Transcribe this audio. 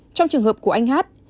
trong trường hợp của anh hát